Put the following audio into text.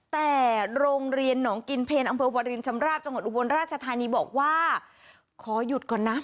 แต่โรงเรียนหนองกินเพลอำเภอวารินชำราบจังหวัดอุบลราชธานีบอกว่าขอหยุดก่อนนะ